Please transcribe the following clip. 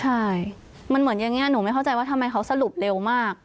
ใช่มันเหมือนอย่างนี้หนูไม่เข้าใจว่าทำไมเขาสรุปเร็วมาก